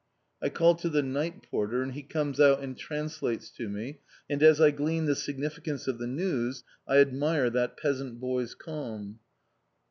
I call to the night porter, and he comes out and translates to me, and as I glean the significance of the news I admire that peasant boy's calm.